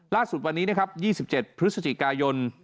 ล่าสุดวันนี้นะครับ๒๗พฤศจิกายน